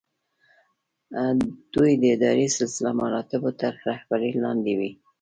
دوی د اداري سلسله مراتبو تر رهبرۍ لاندې وي.